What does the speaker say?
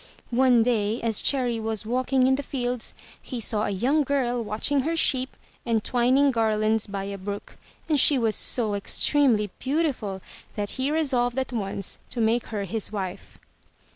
One day as Cherry was walking in the fields, he saw a young 329 MY BOOK HOUSE girl watching her sheep and twining garlands by a brook, and she was so extremely beautiful, that he resolved at once to make her his wife.